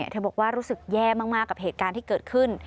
บอกว่ารู้สึกแย่มากกับเหตุการณ์ที่เกิดขึ้น